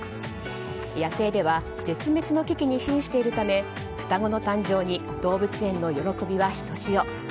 野生では絶滅の危機に瀕しているため双子の誕生に動物園の喜びはひとしお。